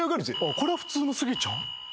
これは普通のスギちゃん？